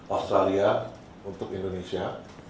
australia untuk indonesia